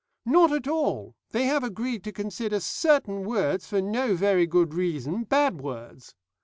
"Not at all; they have agreed to consider certain words, for no very good reason, bad words.